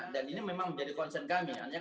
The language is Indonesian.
dan ini memang menjadi konten kami